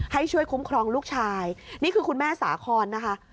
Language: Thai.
ให้ช่วยคุ้มครองลูกชายนี่คือคุณแม่สาคอนนะคะ